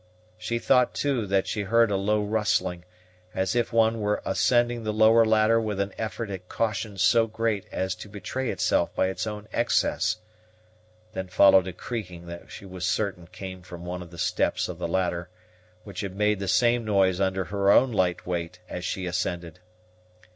She thought, too, that she heard a low rustling, as if one were ascending the lower ladder with an effort at caution so great as to betray itself by its own excess; then followed a creaking that she was certain came from one of the steps of the ladder, which had made the same noise under her own light weight as she ascended.